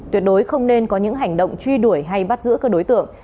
tuyệt đối không nên có những hành động truy đuổi hay bắt giữ các đối tượng